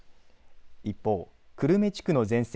一方、久留米地区の全線